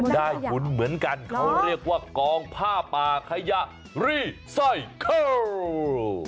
ได้บุญเหมือนกันเขาเรียกว่ากองผ้าป่าขยะรีดสร้อยเคิล